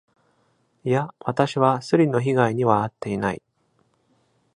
いや、私はスリの被害にはあっていない。